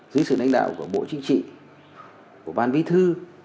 dưới sự đánh đạo của bộ chính trị của ban bí thư